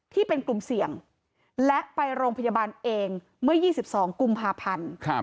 ที่เป็นกลุ่มเสี่ยงและไปโรงพยาบาลเองเมื่อ๒๒กุมภาพันธ์